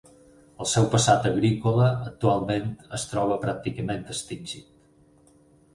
El seu passat agrícola actualment es troba pràcticament extingit.